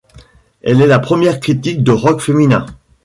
Elle est la première critique de rock féminin.